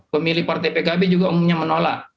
pemilih partai pkb juga umumnya menolak